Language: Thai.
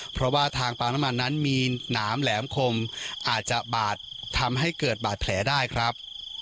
เพราะว่าทางปางน้ำมันนั้นมีหนามแหลมคมอาจจะบาดทำให้เกิดบาดแผลได้ครับ